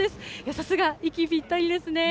さすが息ぴったりですね。